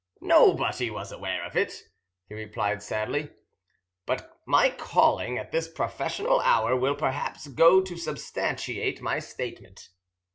"Nobody was aware of it," he replied sadly; "but my calling at this professional hour will, perhaps, go to substantiate my statement."